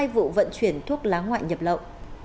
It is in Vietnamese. hai vụ vận chuyển thuốc lá ngoại nhập lậu